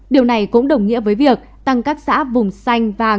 điều này cũng đồng nghĩa với việc tăng các xã vùng xanh